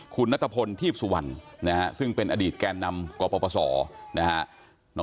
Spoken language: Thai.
คุณนัตตะพลทีพสุวรรณนะครับซึ่งเป็นอดีตแกนนำกว่าประสอบนะฮะ